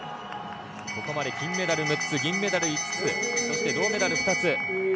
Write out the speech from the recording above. ここまで金メダル６つ銀メダル５つそして銅メダル２つ。